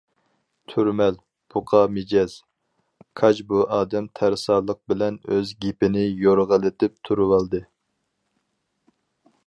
تۈرمەل، بۇقا مىجەز، كاج بۇ ئادەم تەرسالىق بىلەن ئۆز گېپىنى يورغىلىتىپ تۇرۇۋالدى.